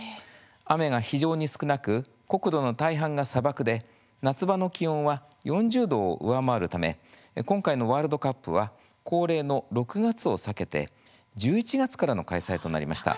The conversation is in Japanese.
雨が非常に少なく国土の大半が砂漠で夏場の気温は４０度を上回るため今回のワールドカップは恒例の６月を避けて１１月からの開催となりました。